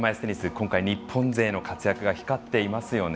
今回、日本勢の活躍が光っていますよね。